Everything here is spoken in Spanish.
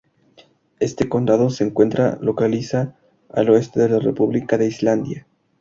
Este condado se encuentra localiza al oeste de la República de Islandia.